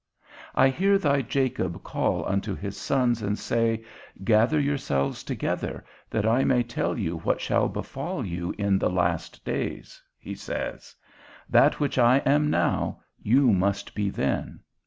I hear thy Jacob call unto his sons and say, Gather yourselves together, that I may tell you what shall befall you in the last days: he says, That which I am now, you must be then.